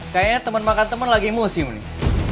kayaknya temen makan temen lagi musim nih